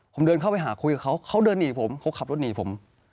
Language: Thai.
ผมเดินเข้าไปหาคุยกับเขาเขาเดินหนีผมเขาขับรถหนีผม